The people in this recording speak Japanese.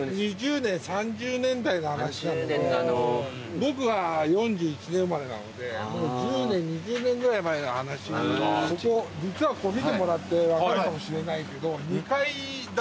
僕は４１年生まれなのでもう１０年２０年ぐらい前の話。一応実は見てもらって分かるかもしれないけど。